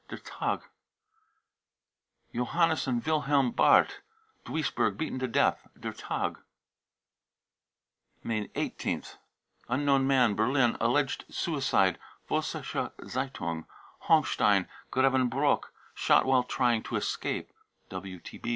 {Der Tq Johannes and wilhelm bardt, Duisburg, beaten to deat (Der Tag.) May 1 8th. unknown man, Berlin, alleged suicide. (Vossist Zeitung.) honkstein, Grevenbroich, shot "while trying escape.